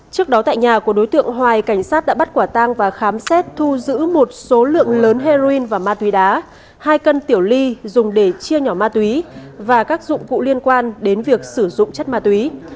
trước đó tại nhà của đối tượng hoài cảnh sát đã bắt quả tang và khám xét thu giữ một số lượng lớn heroin và ma túy đá hai cân tiểu ly dùng để chia nhỏ ma túy và các dụng cụ liên quan đến việc sử dụng chất ma túy